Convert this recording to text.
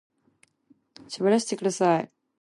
喋らせてください